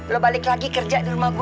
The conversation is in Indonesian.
lo balik lagi kerja di rumah gue